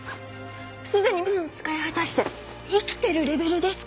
すでに運使い果たして生きてるレベルですけど！